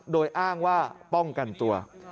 โดยอ้างว่าป้องกันตัว